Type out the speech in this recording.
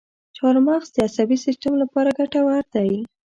چارمغز د عصبي سیستم لپاره ګټور دی.